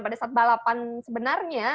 pada saat balapan sebenarnya